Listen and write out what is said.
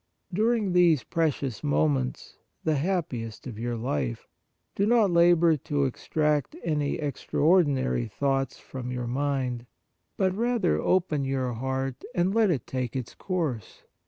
During these precious moments, the happiest of your life, do not labour to extract any extra ordinary thoughts from your mind ; but rather open your heart and let it take its course.